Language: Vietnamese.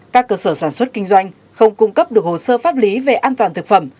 các cơ sở sản xuất kinh doanh không cung cấp được hồ sơ pháp lý về an toàn thực phẩm